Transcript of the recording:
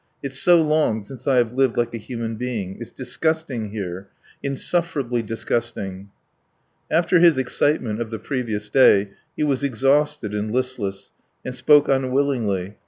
... It's so long since I have lived like a human being. It's disgusting here! Insufferably disgusting!" After his excitement of the previous day he was exhausted and listless, and spoke unwillingly.